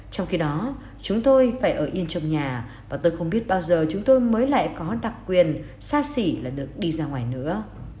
trong khi đó chúng tôi phải ở yên trong nhà và tôi không biết bao giờ chúng tôi mới lại có đặc quyền xa xỉ là được đi ra ngoài nữa